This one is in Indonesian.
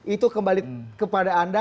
itu kembali kepada anda